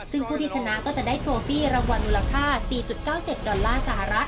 ซึ่งผู้ที่ชนะก็จะได้โทฟี่รางวัลมูลค่า๔๙๗ดอลลาร์สหรัฐ